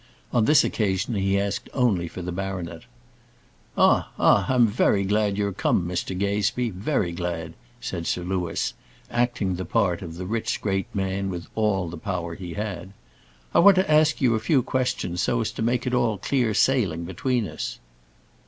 On this occasion he asked only for the baronet. "Ah! ah! I'm glad you're come, Mr Gazebee; very glad," said Sir Louis; acting the part of the rich, great man with all the power he had. "I want to ask you a few questions so as to make it all clear sailing between us."